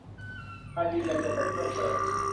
การยืนยันตัวตนเพิ่มเติม